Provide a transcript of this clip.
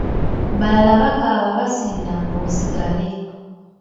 Balala bakaaba basinda mbu osigale.